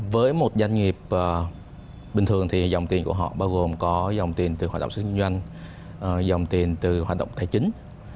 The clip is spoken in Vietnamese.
với một doanh nghiệp bình thường thì dòng tiền của họ bao gồm có dòng tiền từ hoạt động sức kinh doanh dòng tiền từ hoạt động tài chính